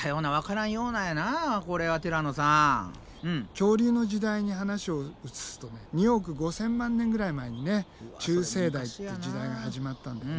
恐竜の時代に話を移すとね２億５，０００万年ぐらい前にね中生代っていう時代が始まったんだよね。